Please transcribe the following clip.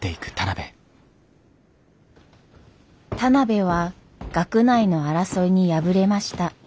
田邊は学内の争いに敗れました。